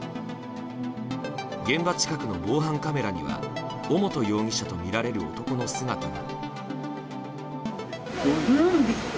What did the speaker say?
現場近くの防犯カメラには尾本容疑者とみられる男の姿が。